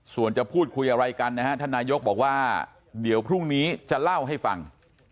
ส่วนจะพูดคุยอะไรกันนะฮะท่านนายกบอกว่าเดี๋ยวพรุ่งนี้จะเล่าให้ฟัง